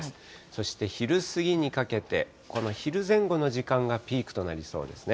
そして昼過ぎにかけて、この昼前後の時間がピークとなりそうですね。